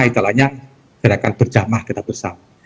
istilahnya gerakan berjamah kita bersama